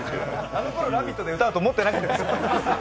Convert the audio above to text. あのころ、「ラヴィット！」で歌うと思わなかった。